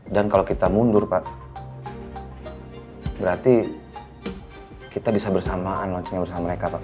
dan kalau kita mundur pak berarti kita bisa bersamaan launchingnya bersama mereka pak